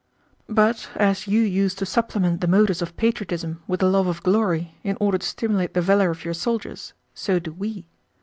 "But as you used to supplement the motives of patriotism with the love of glory, in order to stimulate the valor of your soldiers, so do we.